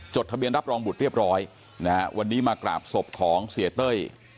ทะเบียนรับรองบุตรเรียบร้อยนะฮะวันนี้มากราบศพของเสียเต้ย